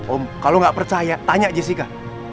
om kalau nggak percaya tanya jessica